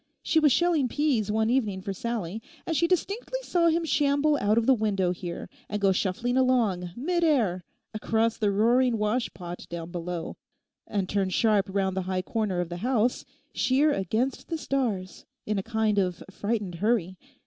She was shelling peas one evening for Sallie, and she distinctly saw him shamble out of the window here, and go shuffling along, mid air, across the roaring washpot down below, turn sharp round the high corner of the house, sheer against the stars, in a kind of frightened hurry.